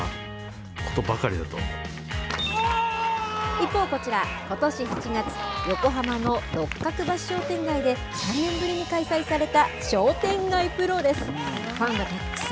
一方、こちら、ことし８月、横浜の六角橋商店街で、３年ぶりに開催された商店街プロレス。